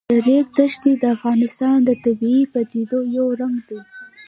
د ریګ دښتې د افغانستان د طبیعي پدیدو یو رنګ دی.